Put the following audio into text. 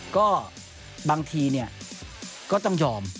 ก็บางทีก็ต้องยอม